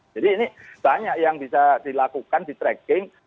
jadi ini banyak yang bisa dilakukan di tracking